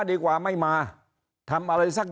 สวัสดีครับท่านผู้ชมครับสวัสดีครับท่านผู้ชมครับ